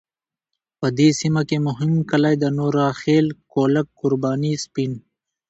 په دې سیمه کې مهم کلی د نوره خیل، کولک، قرباني، سپین .